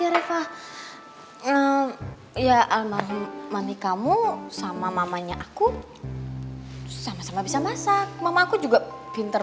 hai nge rap ea almanie pengen kamu sama mamanya aku sama sama bisa basah mamak itu juga pinter